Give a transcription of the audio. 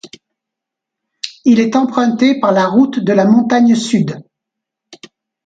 Il est emprunté par la route de la Montagne Sud.